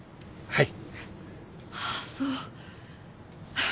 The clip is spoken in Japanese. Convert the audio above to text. はい。